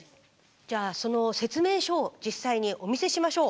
じゃあその説明書を実際にお見せしましょう。